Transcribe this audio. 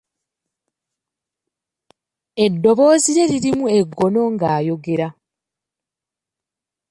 Eddoboozi lye lirimu eggono ng'ayogera.